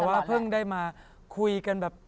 ใช่ค่ะแต่เภิ่งได้มาคุยกันแบบ